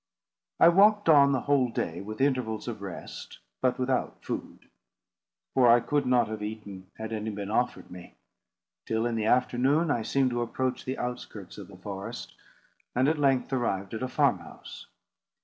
I walked on the whole day, with intervals of rest, but without food; for I could not have eaten, had any been offered me; till, in the afternoon, I seemed to approach the outskirts of the forest, and at length arrived at a farm house.